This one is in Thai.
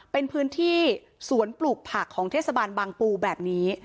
เป็นพื้นที่สวนปลูกผักของเทศบาลบางปูแบบนี้